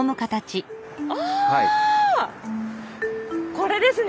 これですね！